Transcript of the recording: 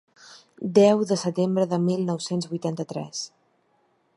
Deu de setembre de mil nou-cents vuitanta-tres.